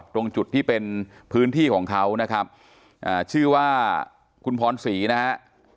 ตรงจุดที่เป็นพื้นที่ของเขานะครับชื่อว่าคุณพรศรีนะฮะ